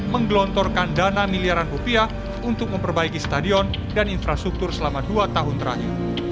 menggelontorkan dana miliaran rupiah untuk memperbaiki stadion dan infrastruktur selama dua tahun terakhir